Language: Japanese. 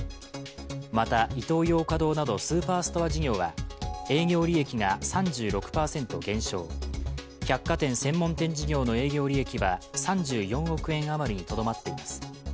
また、イトーヨーカ堂などスーパーストア事業は営業利益が３６％減少、百貨店・専門店事業の営業利益は３４億円余りにとどまっています。